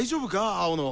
青野。